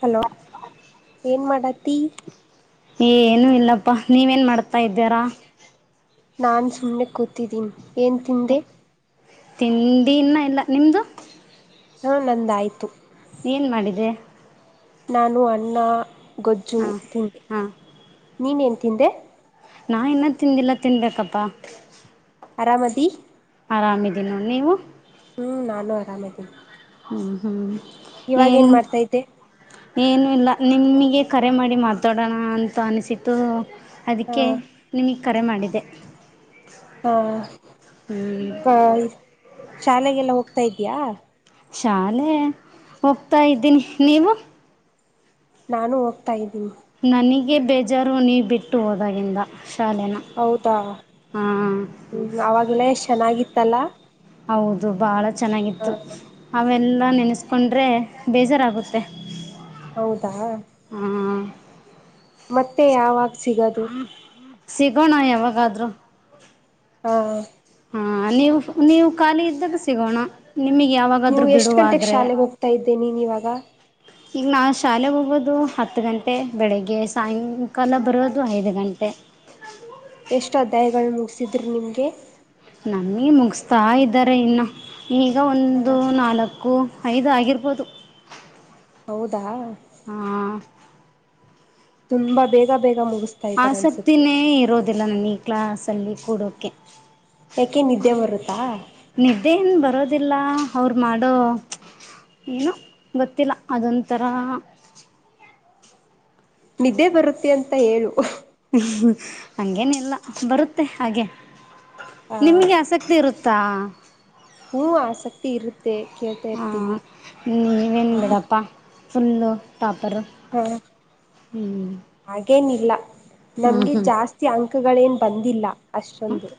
Hello ಏನ್ ಮಾಡಾತ್ತಿ. ಏನು ಇಲ್ಲಾಪ್ಪ ನೀವೇನು ಮಾಡ್ತಾ ಇದ್ದೀರಾ. ನಾನು ಸುಮ್ಮನೆ ಕೂತಿದ್ದೀನಿ ಏನು ತಿಂದೆ. ತಿಂಡಿ ಇನ್ನ ಇಲ್ಲ ನಿಮ್ಮದು. ಹಾ ನಂದಾಯ್ತು. ಏನು ಮಾಡಿದೆ. ನಾನು ಅನ್ನ ಗೊಜ್ಜು ಹಾ ತಿಂದೆ ಹಾ ನೀನೇನ್ ತಿಂದೆ. ನಾ ಇನ್ನೂ ತಿಂದಿಲ್ಲ ತಿನ್ಬೇಕಪ್ಪ. ಆರಾಮಾದಿ. ಆರಾಮಿದೀನು ನೀವು. ಹು ನಾನು ಆರಾಮ ಇದಿದ್ದೀನಿ. ಹ್ಮ್ ಹ್ಮ್ ಏನ್ ಮಾಡ್ತಾ ಇದ್ದೆ ಏನು ಇಲ್ಲ ನಿಮಗೆ ಕರೆ ಮಾಡಿ ಮಾತಾಡೋಣ ಅಂತ ಅನಿಸಿತು. ಆ ಅದಕ್ಕೆ ನಿಮಗೆ ಕರೆ ಮಾಡಿದೆ. ಹಾ ಹ್ಮ್ ಶಾಲೆಗೆಲ್ಲ ಹೋಗ್ತಾಯಿದಿಯ. ಶಾಲೆ ಹೋಗ್ತಾ ಇದ್ದೀನಿ ನೀವು. ನಾನು ಹೋಗ್ತಾ ಇದ್ದೀನಿ. ನನಗೆ ಬೇಜಾರು ನೀ ಬಿಟ್ಟು ಹೋದಾಗಿಂದ ಶಾಲೆನ. ಹೌದಾ ಹಾಂ ಹ್ಮ ಅವಾಗೆಲ್ಲ ಎಷ್ಟ್ ಚೆನ್ನಾಗಿತ್ತಲ್ಲಾ. ಹೌದು ಬಾಳ ಚೆನ್ನಾಗಿತ್ತು ಅವೆಲ್ಲ ನೆನೆಸ್ಕೊಂಡ್ರೆ ಬೇಜಾರಾಗುತ್ತೆ. ಹೌದಾ ಹಾ ಮತ್ತೆ ಯಾವಾಗ ಸಿಗೋದು. ಸಿಗೋಣ ಯಾವಾಗಾದ್ರೂ. ಹಾ ಹಾ ನೀವು ನೀವು ಖಾಲಿ ಇದ್ದಾಗ ಸಿಗೋಣ. ನಿಮಗೆ ನೀವು ಯಾವಾಗಾದ್ರೂ ಎಷ್ಟ್ ಗಂಟೆಗೆ ಬಿಡುವಾದರೆ. ಶಾಲೆಗೆ ಹೋಗ್ತಾ ಇದ್ದೆ ನೀನ್ ಇವಾಗ ಈಗ ನಾವು ಶಾಲೆಗೆ ಹೋಗೋದು ಹತ್ತು ಗಂಟೆ ಬೆಳಗ್ಗೆ ಸಾಯಂಕಾಲ ಬರೋದು ಐದು ಗಂಟೆ. ಎಷ್ಟು ಅಧ್ಯಾಯಗಳು ಮುಗಿಸಿದ್ರು ನಿಮ್ಗೆ. ನಮಗೆ ಮುಗಿಸ್ತಾ ಇದ್ಧಾರೆ ಇನ್ನ ಈಗ ಒಂದು ನಾಲ್ಕು. ಐದು ಆಗಿರ್ಬೋದು. ಹೌದಾ ಹಾ ತುಂಬಾ ಬೇಗ ಬೇಗ ಮುಗ ಆಸಕ್ತಿನೇ ಇರೋದಿಲ್ಲ ನನ್ಗೆ ಈ ಕ್ಲಸ್ ಅಲ್ಲಿ ಕೂರೋಕೆ. ಯಾಕೆ ನಿದ್ದೆ ಬರುತ್ತಾ. ನಿದ್ದೆಏನ್ ಬರೋದಿಲ್ಲ ಅವರು ಮಾಡೋ. ಏನ ಗೊತ್ತಿಲ್ಲ ಅದೊಂಥರ. ನಿದ್ದೆ ಬರುತ್ತೆ ಅಂತ ಹೇಳ. ಹಂಗೇನು ಇಲ್ಲ ಬರುತ್ತೆ ಹಾಗೆ. ಆ ನಿಮ್ಗೆ ಆಸಕ್ತಿ ಇರುತ್ತಾ. ಹ್ಞೂ ಆಸಕ್ತಿ ಇರೀ ತೆ ಕೇಳ್. ಹ ನೀವೇನು ಬಿಡಪ್ಪ ಫುಲ್ಲು ಟಾಪ್ಪರ್. ಹಾ ಹಾಗೇನಿಲ್ಲ ಹ್ಞೂ ನಮ್ಗೆ ಹ್ಞೂ ಜಾಸ್ತಿ. ಅಂಕಗಳೇನು ಬಂದಿಲ್ಲ. ಹ ಅಷ್ಟೊಂದು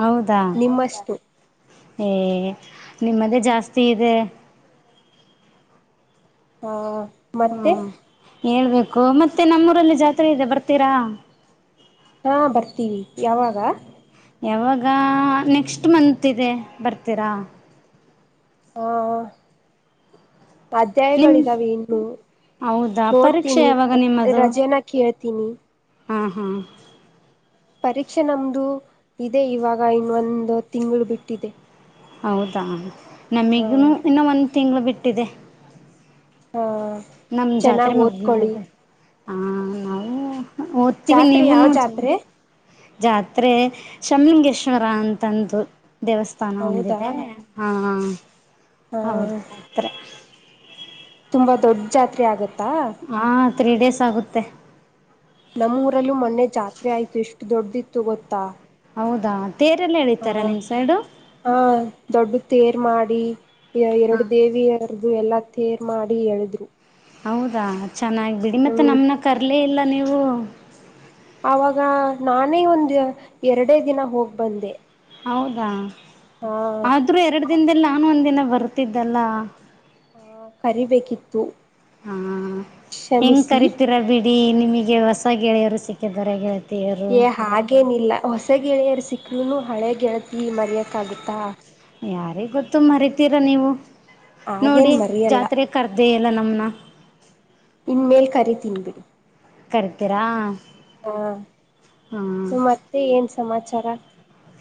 ಹೌದಾ ನಿಮ್ಮಷ್ಟು ಏ. ನಿಮ್ಮದೇ ಜಾಸ್ತಿ ಇದೆ. ಹಾ ಹ್ಞೂ ಮತ್ತೆ. ಹೇಳ್ಬೇಕು ಮತ್ತೆ ನಮ್ಮಊರಲ್ಲಿ ಜಾತ್ರೆ ಇದೆ ಬರ್ತೀರಾ. ಹಾ ಬರ್ತೀವಿ ಯಾವಾಗಾ. ಯಾವಾಗ ನೆಕ್ಸ್ಟ್ ಮಂತ್ ಇದೆ ಬರ್ತೀರಾ. ಹಾ ಹಾ ನಿಮ್ಮ ಅಧ್ಯಾಯಗಳಿದಾವೆ ಇನ್ನು ಹೌದಾ ಪರೀಕ್ಷೆ ನೋಡ್ತೀನಿ ಯಾವಾಗ ಅ ಅ ರಜೆನ. ಕೇಳ್ತೀನಿ. ಹಾ ಹಾ ಪರೀಕ್ಷೆ ನಮ್ಮದು ಇದೆ ಇವಾಗಾ ಇನ್ನೊಂದು ತಿಂಗಳು ಬಿಟ್ಟಿದೆ. ಹೌದಾ ಹಾ ನಮಗನ್ನು ಒಂದು ತಿಂಗಳು ಬಿಟ್ಟಿದೆ. ಹಾ ನಮ್ಮ ಜಾತ್ರೆ ಚೆನ್ನಾಗ್ ಮುಗ ಮೇಲೆ ಓದ್ಕೊಳ್ಳಿ ಇದೆ ಹಾ ನಾವು. ಒದತ್ತೀವಿ ಜಾತ್ರೆ ಯಾವ ನೀವುನು ಚೆನ್ನಾಗಿ. ಜಾತ್ರೆ ಜಾತ್ರೆ ಶಮಲಿಂಗೇಶ್ವರಾ ಅಂತಂದು ದೇವಸ್ಥಾನ ಒಂದಿದೆ. ಹಾ ಹಾ ಹೌದು ಕರೆಕ್ಟ್ ತುಂಬಾ ದೊಡ್ಡ ಜಾತ್ರೆ ಆಗತ್ತಾ. ಹಾ ತ್ರೀ ಡೇಸ್ ಆಗುತ್ತೆ. ನಮ್ಮಊರಲ್ಲೂ ಮೊನ್ನೆ ಜಾತ್ರೆ ಆಯ್ತು ಎಷ್ಟು ದೊಡ್ಡದಿತ್ತು ಗೊತ್ತಾ. ಹೌದಾ ತೇರೆಲ್ಲಾ ಹ ಎಳಿತಾರಾ ನಿಮ್ಮ ಸೈಡು. ಹಾ ದೊಡ್ಡ ತೇರ್ ಮಾಡಿ ಎರಡು ಹಾಂ ದೇವಿಯ ಇದ್ವು ಎಲ್ಲಾ ತೇರ್ ಮಾಡಿ ಎಳದ್ರು. ಹೌದಾ ಚೆನ್ನಾಗಿ ಬಿಡಿ ಮತ್ತ ಹ್ಮ್ ನಮನ ಕರ್ಲೆ ಇಲ್ಲಾ ನೀವು. ಆವಾಗ ನಾನೇ ಒಂದ ಎರಡೇ ದಿನಾ ಹೋಗಿ ಬಂದೆ. ಹೌದಾ ಹಾ ಆದ್ರೂ ಎರಡು ದಿನದಲ್ಲಿ ನಾನು ಒಂದಿನಾ ಬರ್ತಿದ್ದಲ್ಲಾ ಹಾ ಕರಿಬೇಕಿತ್ತು. ಹಾ ಹೆಂಗ ಕ್ಷಮಿಸಿ ಕರಿತೀರಾ ಬಿಡಿ ನಿಮಗೆ ಹೊಸ ಗೆಳೆಯರು ಸಿಕ್ಕಿದಾರೆ ಗೆಳ ಏ ಹಾಗೇನಿಲ್ಲಾ ಹೊಸ ಗೆಳೆಯರು ಸಿಕ್ಕರುನು ಹಳೆ ಗೆಳತಿ ಮರಯಕ್ಕ ಆಗುತ್ತಾ. ಯಾರಿಗೊತ್ತು ಮರಿತೀರಾ ನೀವು ನೋಡಿ ಹಾಗೇನ್ ಮರಿಯಲ್ಲ ಜಾತ್ರೆಗ ಕರ್ದೇಲ್ಲಾ ನಮ್ಮನ್ನಾ ಇನ್ಮೇಲ್ ಕರೆ ತಿನ್ಬಿಡಿ. ಕರಿತೀರಾ ಹಾ ತ್ತೆ ಏನು ಸಮಾಚಾರಾ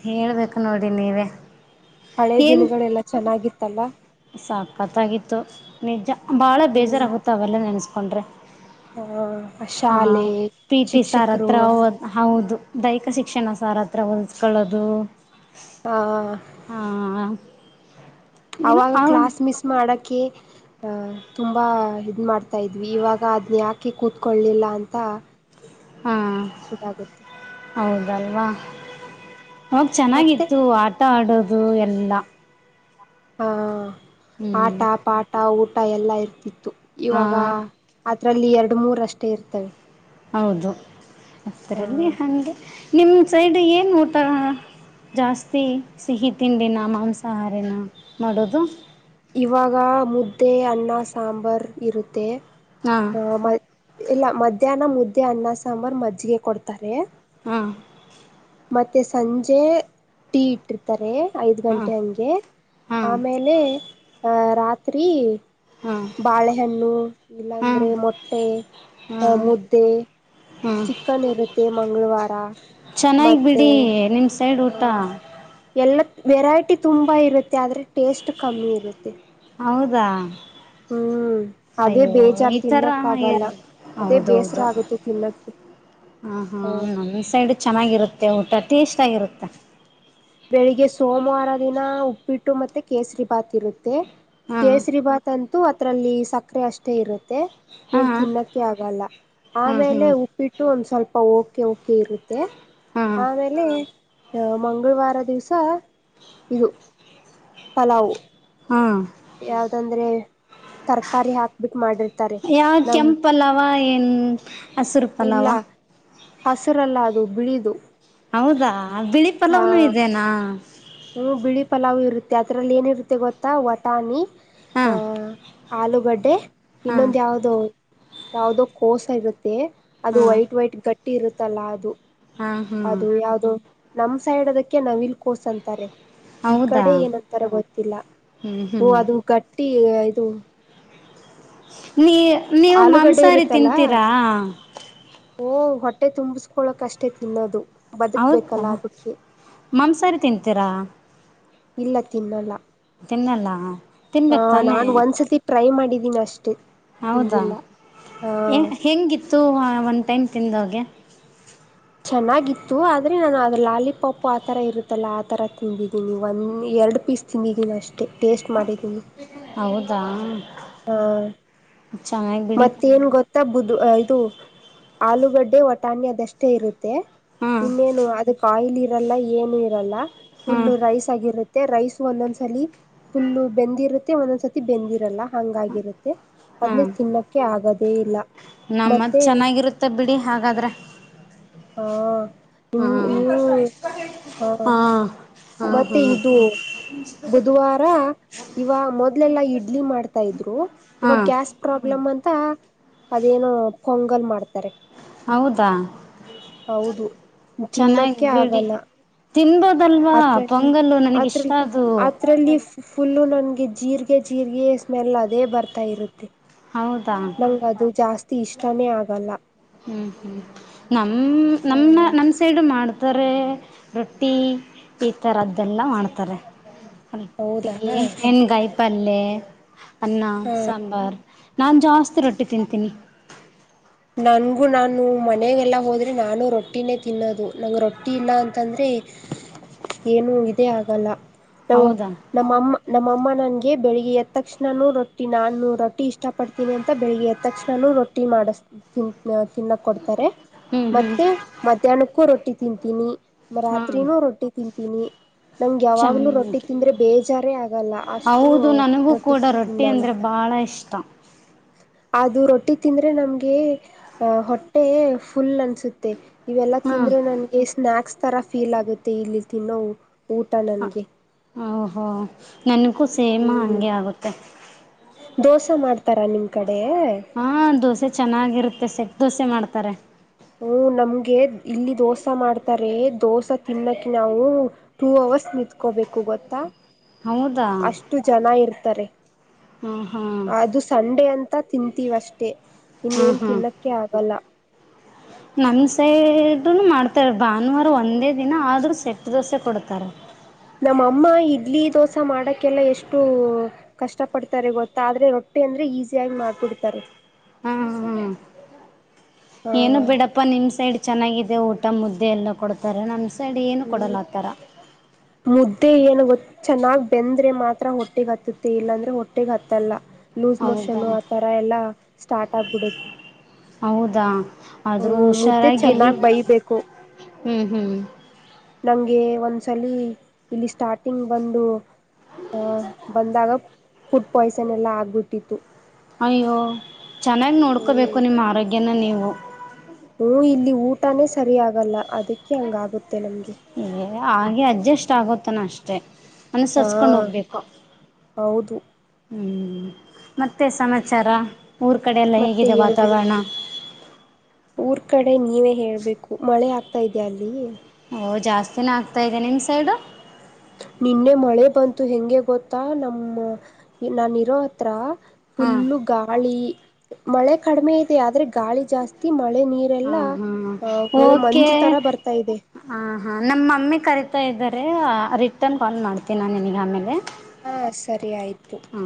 ಹೇಳ್ಬೇಕು ನೋಡಿ ನೀವೇ. ಹಳೆ ದಿನಗಳೆಲ್ಲಾ ಚೆನ್ನಾಗಿತ್ತಲ್ಲಾ. ಸಕತ್ತಾಗಿತ್ತು ನಿಜಾ ಭಾಳ ಬೇಜಾರಾಗುತ್ತೆ ಅವೆಲ್ಲಾ ನೆನೆಸ್ಕೊಂಡ್ರೆ. ಹಾ ಹಾ ಶಾಲೆ ಪಿ ಟಿ ಸಾರ್ ಶಿಕ್ಷಕರು ಹತ್ರ ಹಾ. ಓದ್ ಹೌದು ದೈಹಿಕ ಶಿಕ್ಷಣ ಸಾರ್ ಹತ್ರ ಹೊಲಿಸ್ಕೊಳ್ಳೋದು. ಆ ಹಾ ಏನು ಅವಾಗ ಕ್ಲಾಸ್ ಮಿಸ್ ಮಾಡಕೆ ಅ ತುಂಬಾ ಇದ್ ಮಾಡ್ತ ತಾ ಇದ್ವಿ ಇವಾಗ ಅದನ್ ಯಾಕೆ ಕೂತ್ಕೊಳ್ಳಲಿಲ್ಲಾ ಅಂತಾ ಹಾ ಗೊತ್ತಾಗುತ್ತೆ. ಹೌದಲ್ವಾ ಹೋಗ ಮತ್ತೆ ಚೆನ್ನಾಗಿತ್ತು ಆಟ ಆಡೋದು ಎಲ್ಲಾ. ಹ ಆಟ, ಹ್ಮ್ ಪಾಠ, ಊಟ ಎಲ್ಲ ಇರ್ತಿತ್ತು ಹಾ ಇವಾಗ ಅದರಲ್ಲಿ ಎರಡು ಮೂರ ಅಷ್ಟೇ ಇರ್ತವೆ. ಹೌದು, ಆ ಅಷ್ಟರಲ್ಲಿ ಹಾಗೆ ನಿಮ್ಮ ಸೈಡ್ ಏನು ಊಟ ಜಾಸ್ತಿ ಸಿಹಿ ತಿಂಡಿನ, ಮಾಂಸಾಹಾರಿನ ಮಾಡೋದು. ಇವಾಗ ಮುದ್ದೆ, ಅನ್ನ, ಸಾಂಬಾರ್ ಇರುತ್ತೆ. ಹಾಂ ಮ ಇಲ್ಲ ಮಧ್ಯಾಹ್ನ ಮುದ್ದೆ, ಅನ್ನ, ಸಾಂಬಾರ್, ಮಜ್ಜಿಗೆ ಕೊಡ್ತಾರೆ. ಹಾ, ಮತ್ತೆ ಸಂಜೆ ಟೀ ಇಟ್ಟಿರ್ತಾರೆ ಐದು ಹಾಂ ಗಂಟೆ ಹಂಗೆ ಹಾಂ ಆಮೇಲೆ ಆ ರಾತ್ರಿ- ಹಾಂ ಬಾಳೆಹಣ್ಣು ಹಾಂ ಇಲ್ಲಾಂದ್ರೆ ಮೊಟ್ಟೆ ಆ ಹಾಂ ಮುದ್ದೆ ಹ್ಞೂ ಚಿಕ್ಕನ್ ಇರುತ್ತೆ ಮಂಗಳವಾರ. ಚೆನ್ನಾಗಿ ಮತ್ತೆ ಬಿಡಿ ನಿಮ ಸೈಡ್ ಊಟ ಎಲ್ಲಾ ವೆರೈಟಿ ತುಂಬ ಇರುತ್ತೆ ಆದರೆ ಟೇಸ್ಟ್ ಕಮ್ಮಿ ಇರುತ್ತೆ. ಹೌದಾ! ಹ್ಮ್ ಅದೇ ಅಯ್ಯೋ ಈ ಬೇಜಾರ್ ತರ ತಿನ್ನಕ್ಕ ಆಗಲ್ಲ ಅದೇ ಬೇಸರ ಹೌದೌದು ಆಗುತ್ತೆ ತಿನ್ನಕ್ಕೆ ಹ, ಹಾ ನಮ್ಸೈಡು ಚೆನ್ನಾಗಿರುತ್ತೆ ಊಟ ಟೇಸ್ಟ್ಗಾಗಿರುತ್ತೆ. ಬೆಳಿಗ್ಗೆ ಸೋಮವಾರ ದಿನ ಉಪ್ಪಿಟ್ಟು ಮತ್ತೆ ಕೇಸರಿ ಭಾತ್ ಇರುತ್ತೆ. ಹಾಂ ಕೇಸರಿ ಭಾತ್ ತಂ [unintelligible] ತು ಅದರಲ್ಲಿ ಸಕ್ಕರೆ ಅಷ್ಟೇ ಇರುತ್ತೆ. ಹಾ ಏನ್ ತಿನ್ನಕ್ಕೆ ಆಗಲ್ಲ ಹ್ಮ್ ಆಮೇಲೆ ಹ್ಮ್ ಉಪ್ಪಿಟ್ಟು ಒಂದ್ ಸ್ವಲ್ಪ ಓಕೆ. ಉಪ್ಪ ಕೆ ಇರುತ್ತೆ ಹ್ಮ್ ಆಮೇಲೆ ಮಂಗಳವಾರ ದಿವಸ ಇದು ಪಲಾವು, ಹಾ, ಯಾವ್ದಂದ್ರೆ ತರಕಾರಿ ಹಾಕ್ಬಿಟ್ ಮಾಡಬೇಕ. ಯಾವ ಕೆಂಪ ಪಲಾವ್ ಏನ್ ಹಸಿರು ಇಲ್ಲ ಪಲಾವ ಹಸಿರಲ್ಲ ಅದು ಬಿಳಿದು. ಹೌದಾ! ಬಿಳಿ ಪಲಾವ್ನುೂ ಇದೇನಾ.. ಹ್ಮ್, ಬಿಳಿ ಪಲಾವ್ ಇರುತ್ತೆ ಅದ್ರಲ್ಲಿ ಏನಿರುತ್ತೆ ಗೊತ್ತಾ ವಟಾಣಿ ಹಾ ಅಹ ಆಲೂಗಡ್ಡೆ ಹಾ ಇನ್ನೊಂದ ಯಾವ್ದೋ ಯಾವ್ದೋ ಕೋಸ ಇರುತ್ತೆ. ಅದು ಹಾ ವೈಟ್ ವೈಟ್ ಗಟ್ಟಿ ಇರುತ್ತಲ್ಲಾ ಅದು. ಹಾ ಹಾ ಅದು ಯಾವ್ದೋ ನಮ ಸೈಡ್ ಅದಕ್ಕೆ ನವಿಲ್ ಕೋಸ್ ಅಂತಾರೆ. ಈ ಹೌದಾ ಕಡೆ ಏನಂತರ ಗೊತ್ತಿಲ್ಲ ಹ್ಮ್ ಹ್ಮ್ ಅದು ಗಟ್ಟಿ ಇದು- ನೀ ನೀವು ಆಲೂಗಡ್ಡೆ ಮಾಂಸಾಹಾರಿ ತಿಂತೀರಾ ಓಹೋ, ಹೊಟ್ಟೆ ತುಂಬಿಸಕೊಳಕ ಅಷ್ಟೇ ತಿನ್ನೋದು. ಹೌದಾ! ಬದುಕ್ಬೇಕಲ್ಲ ಅದಕ್ಕೆ ಮಾಂಸಾಹಾರಿ ತಿಂತೀರಾ ಇಲ್ಲ ತಿನ್ನಲ್ಲ ತಿನ್ನಲ್ಲಾ ಹಾ, ನಾನ್ ಒಂದ್ಸತಿ ಟ್ರೈ ಮಾಡಿದ್ದೀನಿ ಅಷ್ಟೇ, ಹೌದಾ! ಹೆೇಂಗಿತ್ತು ಒನ್ ಟೈಮ್ ತಿಂದಾಗೆ. ಚೆನ್ನಾಗಿತ್ತು ಆದ್ರೆ ನಾನು ಅದು ಲಾಲಿಪಾಪ್ ಆತರ ಇರುತ್ತಲ್ಲ, ಆತರ ತಿಂದಿದ್ದೀನಿ ಒಂದ ಎರಡು ಪೀಸ್. ತಿಂದಿದ್ದೀನಿ ಅಷ್ಟೇ ಟೇಸ್ಟ್ ಮಾಡಿದ್ದೀನಿ. ಹೌದಾ, ಹಾ, ಚೆನ್ನಾಗಿ ಬಿಡಿ ಮತ್ತೇನ್ ಗೊತ್ತ ಬುದ್ ಇದು ಆಲೂಗಡ್ಡೆ ಒಯವಟಾಣಿ ಅದಷ್ಟೇ ಇರುತ್ತೆ. ಹಾಂ ಇನ್ನೇನು ಅದಕ್ ಆಯಿಲ್ ಇರಲ್ಲ ಏನು ಇರಲ್ಲ ಫುಲ್ ಹಾಂ ರೈಸ್ ಆಗಿರುತ್ತೆ. ಮತ್ತೆ ರೈಸ್ ಒಂದೊಂದ್ಸಲಿ ಫುಲ್ಲು ಬೆಂದಿರುತ್ತೆ ಒಂದೊಂದ್ಸತಿ ಬೆಂದಿರಲ್ಲ ಹಂಗಾಗಿರುತ್ತೆ ಅದನ್ನೆ ತಿನ್ನೋಕ್ಕೆ ಆಗದೇ ಇಲ್ಲ ನಮ್ಮತ್ ಮತ್ತೆ ಚೆನ್ನಾಗಿರುತ್ತೆ ಬಿಡಿ ಹಾಗಾದ್ರೆ ಹಾಂ ಹ್ಮ್ ಹಾ ಹಾ ಹಾ ಮತ್ತೆ ಇದು ಬುಧವಾರ ಇವ ಮೊದಲೆಲ್ಲಾ ಇಡ್ಲಿ ಮಾಡ್ತಾ ಇದ್ರು ಹಾ ಇವಾಗ ಗ್ಯಾಸ್ ಪ್ರಾಬ್ಲಮ್ ಅಂತ ಅದೇನು ಪೊಂಗಲ್ ಮಾಡ್ತಾರೆ ಹೌದಾ ಹೌದು ಚೆನ್ನಾಗಿ ತಿನ್ನೋಕ್ಕೆ ಬಿಡಿ ಆಗಲ್ಲ ತಿನ್ಬೋದಲ್ವಾ ಪೊಂಗಲ್ ನನಗಿಷ್ಟ ಅದು. ತ್ರಲಿಫ್ ಫುಲ್ಲು ನನಗೆ ಜೀರಿಗೆ ಜೀರಿಗೆ ಸ್ಮೆಲ್ ಅದೇ ಬರ್ತಾ ಇರುತ್ತೆ ಹೌದಾ ನಂಗ ಅದು ಜಾಸ್ತಿ ಇಷ್ಟಾನೇ ಆಗಲ್ಲ ಹ್ಮ್ ಹ್ಮ್ ನಮ್ ಹ ನಮ್ಮನ್ನ ನಮ್ ಸೈಡು ಮಾಡ್ತಾರೆ ರೊಟ್ಟಿ ಈ ತರದ್ದೆಲ್ಲ ಮಾಡ್ತಾರೆ ರೊಟ್ಟಿ ಹೌದಾ ಹೆನ್ ಗಾಯ ಪಲ್ಯೆ ಅನ್ನ ಹ ಸಾಂಬಾರ್ ನಾನು ಜಾಸ್ತಿ ರೊಟ್ಟಿ ತಿಂತೀನಿ ನನಗೂ ನಾನು ಮನೆಗೆಲ್ಲ ಹೋದರೆ ನಾನು ರೊಟ್ಟಿನೇ ತಿನ್ನೋದು ನಂಗೆ ರೊಟ್ಟಿ ಇಲ್ಲ ಅಂತಂದರೆ [inaudible] ಏನು ಇದೇ ಆಗಲ್ಲ ನಾವು ಹೌದಾ ನಮ್ಮಮ್ಮ ನಮ್ ಅಮ್ಮ ನನಗೆ ಬೆಳಿಗ್ಗೆ ಎದ್ ತಕ್ಷನೂ ರೊಟ್ಟಿ ನಾನು ರೊಟ್ಟಿ ಇಷ್ಟ ಪಡ್ತೀನಿ ಅಂತ ಬೆಳಿಗ್ಗೆ ಎದ್ ತಕ್ಷನೂ ರೊಟ್ಟಿ ಮಾಡ ತಿ ತಿನ್ನೋ ಕೊಡ್ತಾರೆ ಹ್ಮ್ ಹ್ಮ್ ಮತ್ತೆ ಮಧ್ಯಾಹ್ನಕ್ಕೂ ರೊಟ್ಟಿ ತಿಂತೀನಿ ಹಾ ರಾತ್ರಿನೂ ರೊಟ್ಟಿ ತಿಂತೀನಿ ನಂಗೆ ಯಾವಾಗ್ಲೂ ಚೆನ್ನಾಗಿ ರೊಟ್ಟಿ ತಿಂದ್ರೆ ಬೇಜಾರೇ ಆಗಲ್ಲ ಅಷ್ಟು ಹೌದು ನನಗೂ ರೊಟ್ಟಿ ಕೂಡ ತಿಂತೀನಿ ನಾನು ಅಂದ್ರೆ ಬಹಳ ಇಷ್ಟ ಅದು ರೊಟ್ಟಿ ತಿಂದ್ರೆ ನಮ್ಗೆ ಹೊಟ್ಟೆ ಫುಲ್ ಅನ್ಸುತ್ತೆ ಇವೆಲ್ಲ ತಿಂದರೆ ನನಗೆ ಸ್ನಾಯಾಕ್ಸ್ ತರ ಫೀಲ್ ಆಗುತ್ತೆ ಇಲ್ಲಿ ತಿನ್ನೋ ಊಟ ಹಾ ನನಗೆ ಓಹೋ ನನ್ಗೂ ಸೇಮ ಹಂಗೆ ಆಗುತ್ತೆ ದೋಸೆ ಮಾಡ್ತಾರಾ ನಿಮ್ ಕಡೆ ಹಾ ದೋಸೆ ಚೆನ್ನಾಗಿರುತ್ತೆ ಸೆಟ್ ದೋಸೆ ಮಾಡ್ತಾರೆ ಹ ನಮ್ಗೆ ಇಲ್ಲಿ ದೋಸಾ ಮಾಡ್ತಾರೆ ದೋಸೆ ತಿನ್ನಕ್ ನಾವು ಟೂ ಅವರ್ಸ್ ನಿತ್ಕೋಬೇಕು ಗೊತ್ತಾ ಹೌದಾ ಎಷ್ಟು ಜನ ಇರ್ತಾರೆ ಹ್ಮ ಹಾ ಅದು ಸಂಡೆ ಅಂತ ತಿಂತೀವಿ ಅಷ್ಟೇ ಹ್ಮ್ ಇನ್ನೇನು ತಿನ್ನೋಕ್ಕೆ ಆಗಲ್ಲ ನನ್ ಸೈಡ್ ಮಾಡ್ತಾರೆ ಭಾನುವಾರ ಒಂದೇ ದಿನ ಆದರೂ ಸೆಟ್ ದೋಸೆ ಕೊಡ್ತಾರೆ ನಮ್ ಅಮ್ಮ ಇಡ್ಲಿ ದೋಸಾ ಮಾಡಕ್ಕೆಲ್ಲ ಎಷ್ಟು ಕಷ್ಟ ಪಡ್ತಾರೆ ಗೊತ್ತಾ ಅದ್ರೆ ರೊಟ್ಟಿ ಅಂದ್ರೆ ಈಸಿಯಾಗಿ ಮಾಡ್ಬಿಡ್ತಾರೆ ಹ್ಮ ಹ್ಮ್ ಹ ಏನು ಬಿಡಪ್ಪ ನಿಮ್ಮ್ ಸೈಡ್ ಚೆನ್ನಾಗಿದೆ ಊಟ ಮುದ್ದೆ ಎಲ್ಲ ಕೊಡ್ತಾರೆ ನಮ್ ಸೈಡ್ ಸೈಡ್ ಏನು ಹ್ಮ್ ಕೊಡಲ್ಲ ಆ ಥರ ಮುದ್ದೆ ಏನು ಗೊತ್ ಚೆನ್ನಾಗ್ ಬೆಂದ್ರೆ ಮಾತ್ರ ಹೊಟ್ಟಿಗ್ ಹತ್ತುತ್ತೆ ಇಲ್ಲಾಂದ್ರೆ ಹೊಟ್ಟಿಗೆ ಹತ್ತಲ್ಲ. ಲೂಸ್ ಹೌದಾ ಮೋಷನ್ನು ಆತರ ಎಲ್ಲಾ ಸ್ಟಾರ್ಟ್ ಆಗ್ಬಿಡುತ್ತೆ. ಹೌದಾ ಆದ್ರೂ ಹ್ಮ್ ಮುದ್ದೆ ಹುಷಾರಾಗಿರಿ ಚೆನ್ನಾಗ್ ಬೈಬೇಕು ಹ್ಮ್ ಹ್ಮ್ ನಂಗೆ ಒಂದ್ಸಲಿ ಇಲ್ಲಿ ಸ್ಟಾರ್ಟಿಂಗ್ ಬಂದು. ಆ ಬಂದಾಗ ಪುಡ್ ಪಾಯ್ಸನ್ ಎಲ್ಲಾ ಆಗ್ಬಿಟ್ಟಿತ್ತು. ಅಯ್ಯೋ ಚೆನ್ನಾಗಿ ನೋಡ್ಕೋಬೇಕು ನಿಮ್ಮ ಆರೋಗ್ಯನ ನೀವು. ಹೂ ಇಲ್ಲಿ ಊಟಾನೇ ಸರಿ ಆಗಲ್ಲ ಅದಕ್ಕೆ ಅಂಗಾಗುತ್ತೆ ನಮ್ಗೆ. ಹೆ ಹಾಗೆ ಅಡ್ಜಸ್ಟ್ ಆಗೊತ್ತನ ಅಷ್ಟೇ. ಹಾ ಅನುಸರಿಸ್ಕೊಂಡ್ ಹೋಗ್ಬೇಕು. ಹೌದು ಹ್ಮ್ ಮತ್ತೆ ಸಮಾಚಾರ ಊರ ಕಡೆ ಎಲ್ಲಾ ಮತ್ತೆ ಹೇಗಿದೆ ಹೇಳ್ಬೇಕು ವಾತಾವರಣ. ಊರ್ ಕಡೆ ನೀವೇ ಹೇಳಬೇಕು ಮಳೆ ಆಗ್ತಾ ಇದಿಯಾ ಅಲ್ಲಿ. ಓ ಜಾಸ್ತಿನೆ ಆಗ್ತಾ ಇದೆ ನಿಮ್ಮ ಸೈಡು ನಿನ್ನೆ ಮಳೆ ಬಂತು ಹೆಂಗೆ ಗೊತ್ತಾ ನಮ್ಮ್ ನಾನಿರೋಹತ್ರ ಹಾಂ ಪುಲ್ಲು ಗಾಳಿ ಮಳೆ ಕಡಿಮೆ ಇದೆ ಆದ್ರೆ ಗಾಳಿ- ಜಾಸ್ತಿ ಮಳೆ ನೀರೆಲ್ಲಾ ಹಾಂ ಹಾಂ ಅ ಒಳ್ಳೆ ಮಂಜು ತರ ಬರ್ತಾ ಇದೆ. ಹಾ ಹಾ ನಮ್ಮ ಮಮ್ಮಿ ಕರೀತಾ ಇದ್ದಾರೆ ರಿಟರ್ನ್ ಕಾಲ್ ಮಾಡ್ತೀನಿ ನಾನು ನಿನಗೆ ಆಮೇಲೆ. ಹಾ ಸರಿ ಆಯ್ತು. ಹಾ